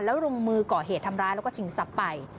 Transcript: แล้วลงมือก่อเหตุทำร้ายแล้วก็ชิงทรัพย์ไป